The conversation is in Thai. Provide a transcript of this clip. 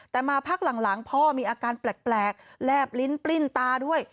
แต่มาพักหลังพ่อมีอาการแปลกแลบลิ้นปลิ้นตาด้วย